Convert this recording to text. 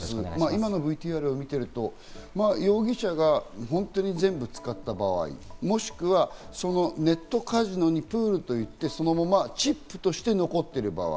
今のＶＴＲを見ていると、容疑者が本当に全部使った場合、もしくは、ネットカジノにプールと言って、そのままチップとして残っている場合。